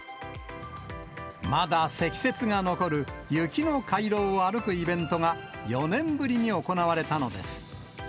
まだ積雪が残る雪の回廊を歩くイベントが、４年ぶりに行われたのです。